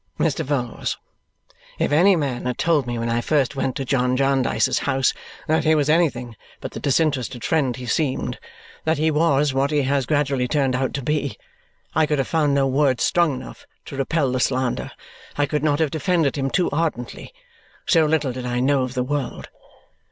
"Mr. Vholes! If any man had told me when I first went to John Jarndyce's house that he was anything but the disinterested friend he seemed that he was what he has gradually turned out to be I could have found no words strong enough to repel the slander; I could not have defended him too ardently. So little did I know of the world!